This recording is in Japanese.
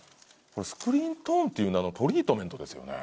これスクリーントーンという名のトリートメントですよね。